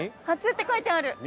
「初」って書いてある。